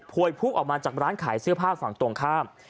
วยพุ่งออกมาจากร้านขายเสื้อผ้าฝั่งตรงข้าม